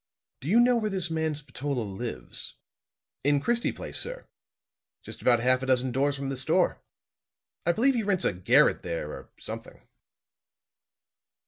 "Do you know where this man Spatola lives?" "In Christie Place, sir; just about half a dozen doors from the store. I believe he rents a garret there, or something."